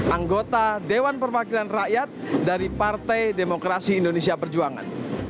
anggota dewan permakilan rakyat dari partai demokrasi indonesia perjuangan